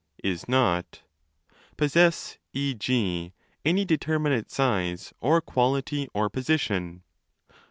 zs oz), possess, 6. σ., any determinate size or quality or position?